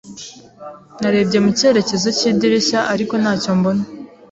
Narebye mu cyerekezo cy'idirishya, ariko ntacyo mbona.